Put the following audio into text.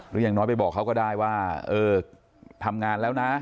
อย่างน้อยไปบอกเขาก็ได้ว่าเออทำงานแล้วนะ